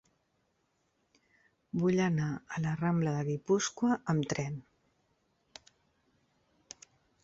Vull anar a la rambla de Guipúscoa amb tren.